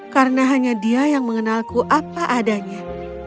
karena hanya dia yang mengenalku apa adanya